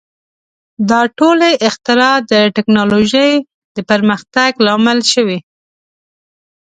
• دا ټولې اختراع د ټیکنالوژۍ د پرمختګ لامل شوې.